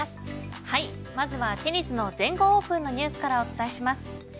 まずはテニスの全豪オープンのニュースからお伝えします。